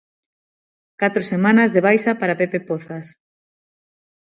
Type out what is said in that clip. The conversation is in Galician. Catro semanas de baixa para Pepe Pozas.